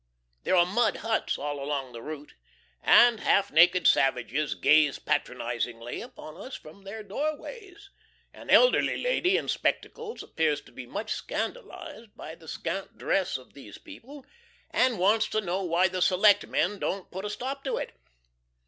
There are mud huts all along the route, and half naked savages gaze patronizingly upon us from their doorways. An elderly lady in spectacles appears to be much scandalized by the scant dress of these people, and wants to know why the Select Men don't put a stop to it.